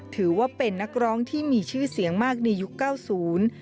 ถือว่าเป็นนักร้องที่มีชื่อเสียงมากในยุคเก้าศูนย์